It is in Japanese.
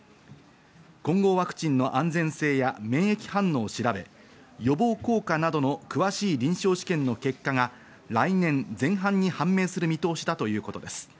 混合ワクチンの安全性や免疫反応を調べ、予防効果などの詳しい臨床試験の結果が来年前半に判明する見通しだということです。